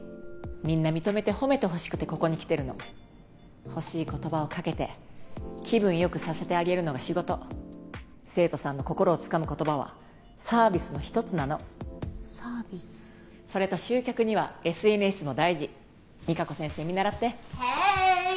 みんな認めて褒めてほしくてここに来てるの欲しい言葉をかけて気分よくさせてあげるのが仕事生徒さんの心をつかむ言葉はサービスの一つなのサービスそれと集客にはＳＮＳも大事ＭＩＫＡＫＯ先生見習ってＨｅｙ！